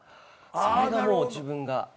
それがもう自分が。